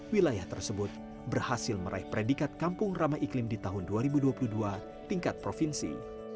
wilayah tersebut berhasil meraih predikat kampung ramai iklim di tahun dua ribu dua puluh dua tingkat provinsi